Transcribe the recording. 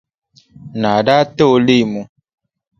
Naa daa ti o leemu.